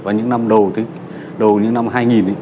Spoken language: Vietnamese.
và những năm đầu những năm hai nghìn ấy